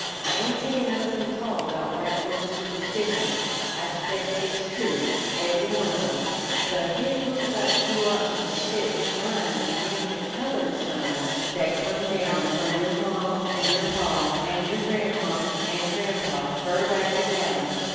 I ain't sayin' nothin' 't all 'bout white folks superstitions, I 'spec' dey's true, ebery one ob 'em, but hit look' lak you oughtn't to shet yer min' ag'inst de colored signs dat done come down f'om yer maw an' yer paw, an' yer gran'maw an' gran'paw fer back as Adam.